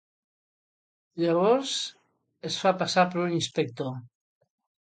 Llavors es fa passar per un inspector.